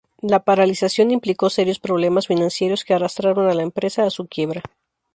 La paralización implicó serios problemas financieros que arrastraron la empresa a su quiebra.